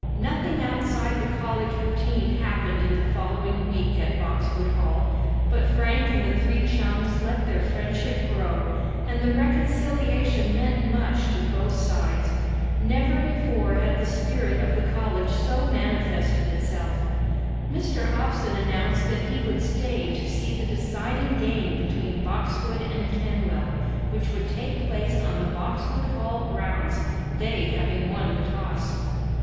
Nothing outside the college routine happened in the following week at Boxwood Hall; but Frank and the three chums let their friendship grow, and the reconciliation meant much to both sides. Never before had the spirit of the college so manifested itself. Mr. Hobson announced that he would stay to see the deciding game between Boxwood and Kenwell, which would take place on the Boxwood Hall grounds, they having won the toss.